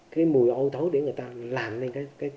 cái mùi ôi tối để người ta làm lên